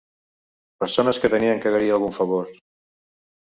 Persones que tenien que agrair algun favor.